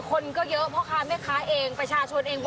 ดีค่ะเพราะว่าที่นี่คนก็เยอะเพราะค้าไม่ค้าเองประชาชนเอง